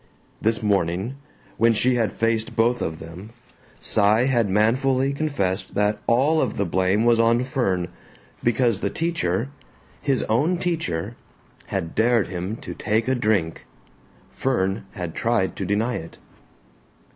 This morning, when she had faced both of them, Cy had manfully confessed that all of the blame was on Fern, because the teacher his own teacher had dared him to take a drink. Fern had tried to deny it.